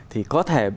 thì có thể